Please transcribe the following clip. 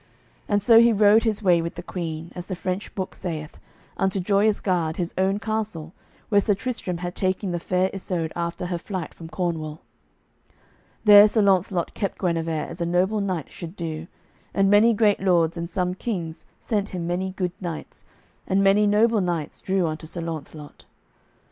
And so he rode his way with the Queen, as the French book saith, unto Joyous Gard, his own castle, where Sir Tristram had taken the Fair Isoud after her flight from Cornwall. There Sir Launcelot kept Guenever as a noble knight should do, and many great lords and some kings sent him many good knights, and many noble knights drew unto Sir Launcelot.